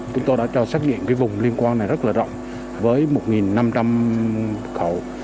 chúng tôi đã cho xác diện cái vùng liên quan này rất là rộng với một năm trăm linh khẩu